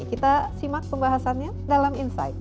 kita simak pembahasannya dalam insight